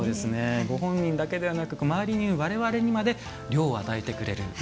ご本人だけではなく周りにいるわれわれにまで涼を与えてくれる。